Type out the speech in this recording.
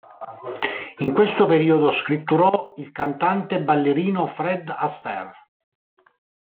In questo periodo scritturò il cantante-ballerino Fred Astaire.